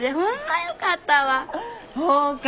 ほうか。